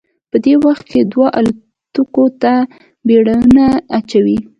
په دې وخت کې دوی الوتکو ته ټیرونه اچوي